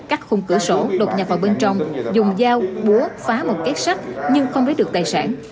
cắt khung cửa sổ đột nhập vào bên trong dùng dao búa phá một kết sắt nhưng không lấy được tài sản